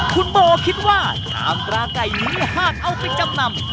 คุณโบคิดว่าชามปลาไก่นี้หากเอาไปจำนำ